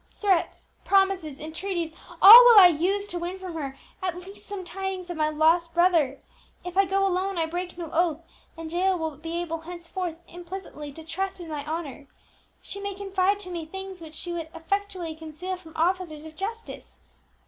Threats, promises, entreaties, all will I use to win from her at least some tidings of my lost brother! If I go alone I break no oath, and Jael will be able henceforth implicitly to trust in my honour. She may confide to me things which she would effectually conceal from officers of justice.